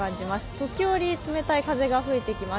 時折、冷たい風が吹いてきます。